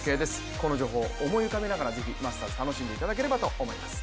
この情報、思い浮かべながらぜひマスターズ楽しんでいただければと思います。